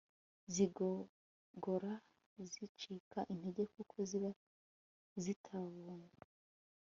zigogora zicika intege kuko ziba zitabonye